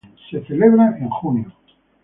Se celebra en junio.